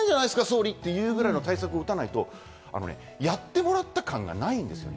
総理！という対策を打たないとやってもらった感がないんですよ。